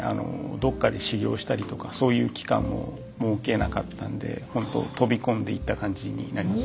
どっかで修業したりとかそういう期間も設けなかったんでほんと飛び込んでいった感じになります。